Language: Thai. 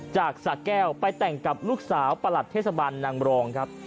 จากสะแก้วไปแต่งกับลูกสาวประหลัดเทศบาลนางบรองครับ